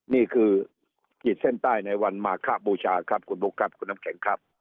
นี่คือขีดเส้นใต้ในวันมาคบูชาครับคุณบุ๊คครับคุณน้ำแข็งครับ